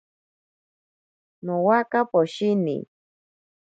Nowaka poshini.